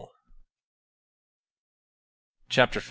CHAPTER V.